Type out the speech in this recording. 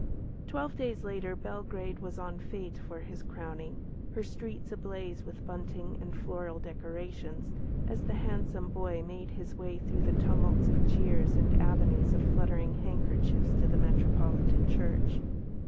Twelve days later, Belgrade was en fête for his crowning, her streets ablaze with bunting and floral decorations, as the handsome boy made his way through the tumults of cheers and avenues of fluttering handkerchiefs to the Metropolitan Church.